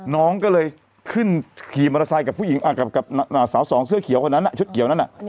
น้องก็เลยขึ้นขี่มอเตอร์ไซค์กับผู้หญิงกับสาวสองเสื้อเขียวคนนั้นชุดเขียวนั้น